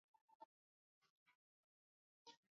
ivyo kumaliza miezi yakutokuwepo kwa serikali nchini humo